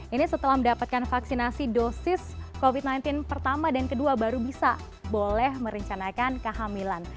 ini setelah mendapatkan vaksinasi dosis covid sembilan belas pertama dan kedua baru bisa boleh merencanakan kehamilan